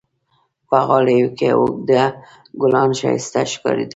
په غالیو کې اوږده ګلان ښایسته ښکارېدل.